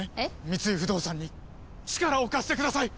三井不動産に力を貸してください！